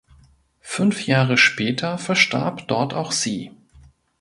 Fünf Jahre später verstarb dort auch sie.